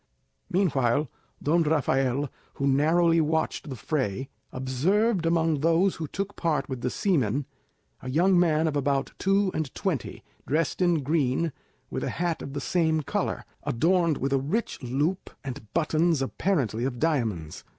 Meanwhile, Don Rafael, who narrowly watched the fray, observed among those who took part with the seamen a young man of about two and twenty, dressed in green, with a hat of the same colour, adorned with a rich loop and buttons apparently of diamonds.